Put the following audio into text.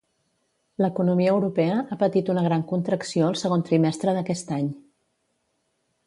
L'economia europea ha patit una gran contracció el segon trimestre d'aquest any.